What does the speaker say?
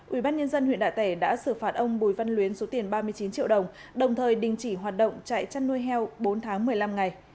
ubnd huyện đạ tẻ đã xử phạt ông bùi văn luyến số tiền ba mươi chín triệu đồng đồng thời đình chỉ hoạt động chạy chăn nuôi heo bốn tháng một mươi năm ngày